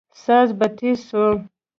ساز به تېز سو.